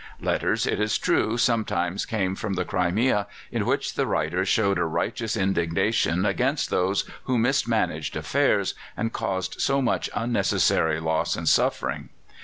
Letters, it is true, sometimes came from the Crimea in which the writer showed a righteous indignation against those who mismanaged affairs and caused so much unnecessary loss and suffering.